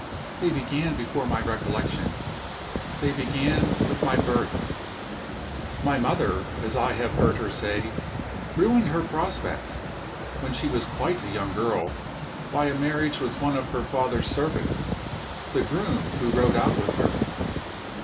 They began before my recollection. They began with my birth. "My mother (as I have heard her say) ruined her prospects, when she was quite a young girl, by a marriage with one of her father's servants the groom who rode out with her.